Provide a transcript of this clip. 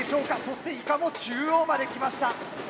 そしてイカも中央まで来ました。